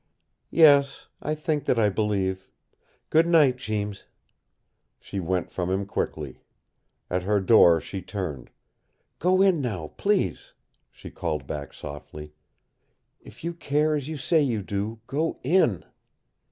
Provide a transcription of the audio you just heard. "Yes, I think that I believe. Good night, Jeems." She went from him quickly. At her door she turned. "Go in now, please," she called back softly. "If you care as you say you do, go IN."